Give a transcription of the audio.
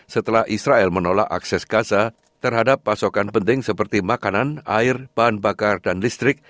setelah israel menolak akses gaza terhadap pasokan penting seperti makanan air bahan bakar dan listrik